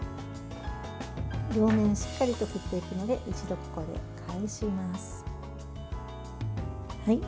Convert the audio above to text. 両面、しっかりと振っていくので一度ここで返します。